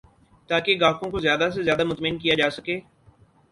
تاکہ گاہکوں کو زیادہ سے زیادہ مطمئن کیا جا سکے